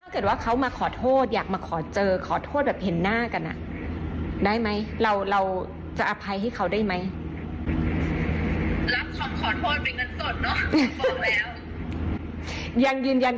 พอเวลามันผ่านไปเดี๋ยวใจมันก็จะค่อยเบาบางลง